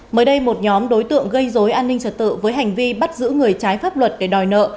mới đây một nhóm đối tượng gây dối an ninh trật tự với hành vi bắt giữ người trái pháp luật để đòi nợ